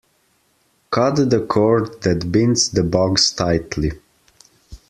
Cut the cord that binds the box tightly.